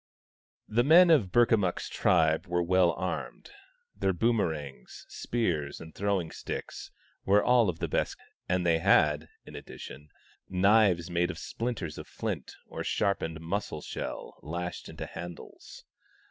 The men of Burkamukk's tribe were well armed. Their boomerangs, spears and throwing sticks were all of the best, and they had, in addition, knives made of splinters of flint or sharpened mussel shell, 12 THE STONE AXE OF BURKAMUKK lashed into handles.